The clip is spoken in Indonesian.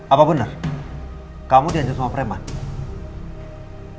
apa bener kamu dianjur sama preman